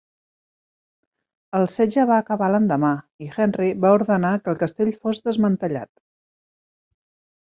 El setge va acabar l'endemà i Henry va ordenar que el castell fos desmantellat.